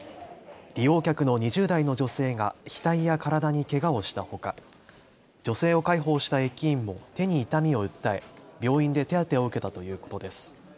利用客の２０代の女性が額や体にけがをしたほか女性を介抱した駅員も手に痛みを訴え病院で手当てを受けたということです。